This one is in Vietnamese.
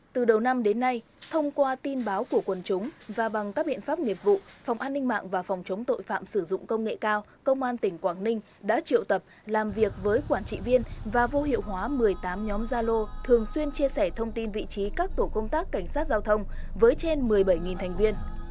từ đầu năm đến nay thông qua tin báo của quần chúng và bằng các biện pháp nghiệp vụ phòng an ninh mạng và phòng chống tội phạm sử dụng công nghệ cao công an tỉnh quảng ninh đã triệu tập làm việc với quản trị viên và vô hiệu hóa một mươi tám nhóm gia lô thường xuyên chia sẻ thông tin vị trí các tổ công tác cảnh sát giao thông với trên một mươi bảy thành viên